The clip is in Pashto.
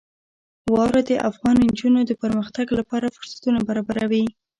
واوره د افغان نجونو د پرمختګ لپاره فرصتونه برابروي.